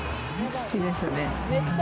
好きです。